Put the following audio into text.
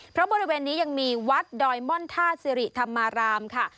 เพราะบริเวณนี้ยังมีวัดดอยม่อนท่าสิริธรรมารามค่ะ